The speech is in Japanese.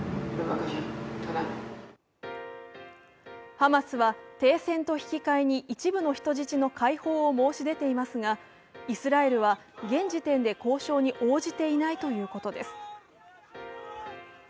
ハマスは停戦と引き換えに一部の人質の解放を申し出ていますが、イスラエルは現時点で交渉に応じていないということです。